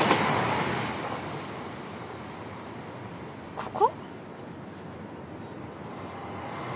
ここ？